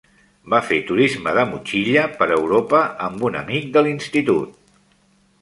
Va fer turisme de motxilla per Europa amb un amic de l'institut.